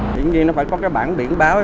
tuy nhiên nó phải có cái bản biển báo